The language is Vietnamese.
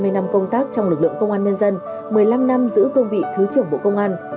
với hơn ba mươi năm công tác trong lực lượng công an nhân dân một mươi năm năm giữ công vị thứ trưởng bộ công an